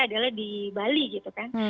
adalah di bali gitu kan